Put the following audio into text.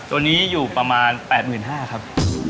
ตัวนี้อยู่ประมาณ๘๕๐๐บาทครับ